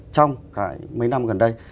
trong cái mấy năm gần đây